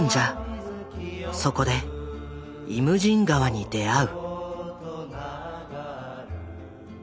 そこで「イムジン河」に出会う。